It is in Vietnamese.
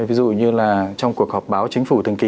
ví dụ như là trong cuộc họp báo chính phủ thường kỳ